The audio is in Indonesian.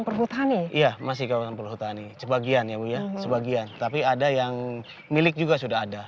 perhutani iya masih kawasan perhutani sebagian ya bu ya sebagian tapi ada yang milik juga sudah ada